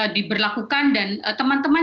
diberlakukan dan teman teman